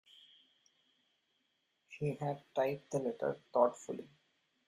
He had typed the letter thoughtfully.